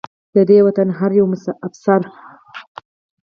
د دې وطن هر يو افسر